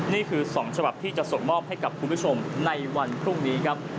นี่คือ๒ฉบับที่จะส่งมอบให้กับคุณผู้ชมในวันพรุ่งนี้ครับ